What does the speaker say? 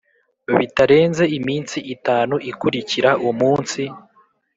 Bitarenze iminsi itanu ikurikira umunsi